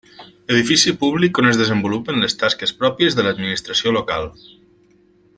Edifici públic on es desenvolupen les tasques pròpies de l'administració local.